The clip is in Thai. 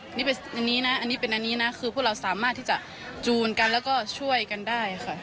อันนี้เป็นอันนี้นะคือพวกเราสามารถที่จะจูนกันแล้วก็ช่วยกันได้ค่ะ